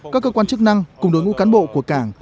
các cơ quan chức năng cùng đội ngũ cán bộ của cảng